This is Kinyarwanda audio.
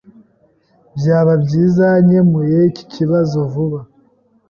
Byaba byiza nkemuye iki kibazo vuba.